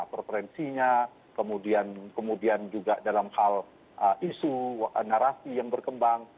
preferensinya kemudian juga dalam hal isu narasi yang berkembang